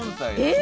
え！